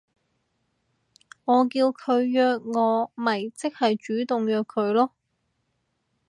我叫佢約我咪即係主動約佢囉